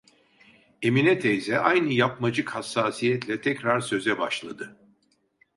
Emine teyze aynı yapmacık hassasiyetle tekrar söze başladı: